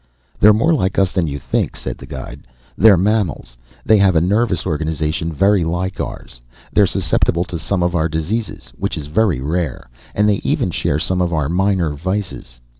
"They're more like us than you'd think," said the guide. "They're mammals, they have a nervous organization very like ours, they're susceptible to some of our diseases which is very rare and they even share some of our minor vices."